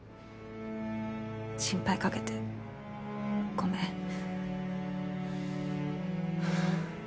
心配かけてごめん。